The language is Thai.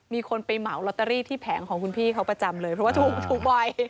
มีคนไปเหมาลอตเตอรี่ที่แผงของคุณพี่เขาประจำเลยเพราะว่าถูกบ่อย